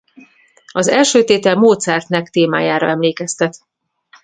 Az első tétel Mozart nek témájára emlékeztet.